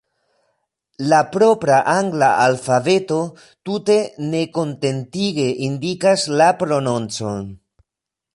La propra angla alfabeto tute nekontentige indikas la prononcon.